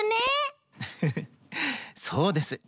フフそうです。